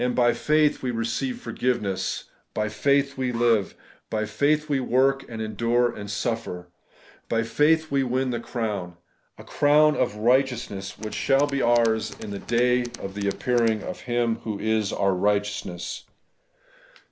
By faith we receive forgiveness; by faith we live: by faith we work, and endure, and suffer ; by faith we win the crown, — a crown of righteousness, which shall be ours in the day of the appearing of Him who is QUE RIGHTEOUSNESS.